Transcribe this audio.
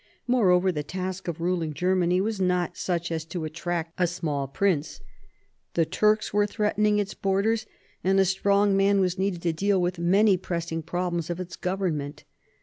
Moreover, the task of ruling Germany was not such as to attract a small prince. The Turks were threatening its borders, and a strong man was IV THE FIELD OF THE CLOTH OF GOLD 63 needed to deal with many pressing problems of its government.